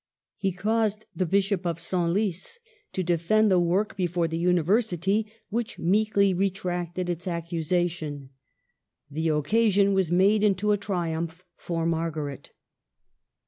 He caused the Bishop of Senlis to defend the work before the University, which meekly retracted its accusa tion. The occasion was made into a triumph for Margaret.